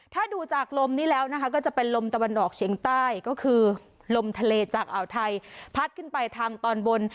ถ้าดูจากลมนี้แล้วนะคะก็จะเป็นลมตะวันออกเฉียงใต้ก็คือลมทะเลจากอ่าวไทยพัดขึ้นไปทางตอนบน